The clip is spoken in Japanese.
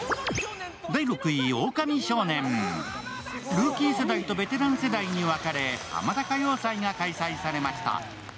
ルーキー世代とベテラン世代に分かれ「ハマダ歌謡祭」が開催されました。